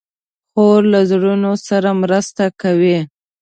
خور له زړونو سره مرسته کوي.